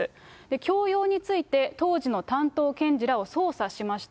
強要について当時の担当検事らを捜査しました。